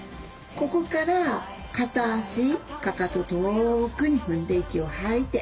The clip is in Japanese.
ここから片足かかと遠くに踏んで息を吐いて。